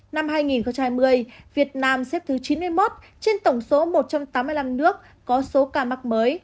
năm hai nghìn hai mươi việt nam xếp thứ chín mươi một trên tổng số một trăm tám mươi năm nước có số ca mắc mới